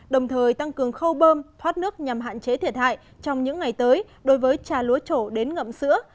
đồng thời tăng cường khâu bơm thoát nước nhằm hạn chế thiệt hại trong những ngày tới đối với trà lúa trổ đến ngậm sữa